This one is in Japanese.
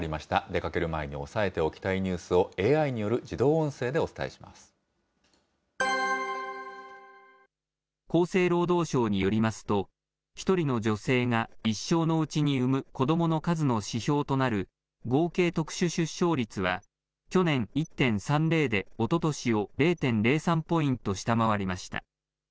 出かける前に押さえておきたいニュースをＡＩによる自動音声でお厚生労働省によりますと、１人の女性が一生のうちに産む子どもの数の指標となる、合計特殊出生率は、去年１．３０で、おととしを０．０３ポイント下回りました。